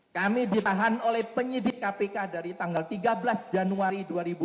kami ditahan oleh penyidik kpk dari tanggal tiga belas januari dua ribu dua puluh